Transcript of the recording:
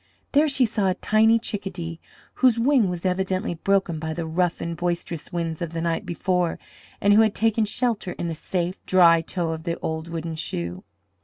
There she saw a tiny chick a dee, whose wing was evidently broken by the rough and boisterous winds of the night before, and who had taken shelter in the safe, dry toe of the old wooden shoe.